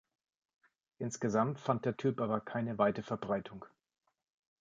Insgesamt fand der Typ aber keine weite Verbreitung.